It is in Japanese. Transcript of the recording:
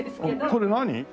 これ何？